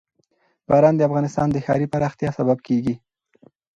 باران د افغانستان د ښاري پراختیا سبب کېږي.